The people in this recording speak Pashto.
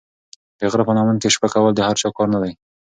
د غره په لمن کې شپه کول د هر چا کار نه دی.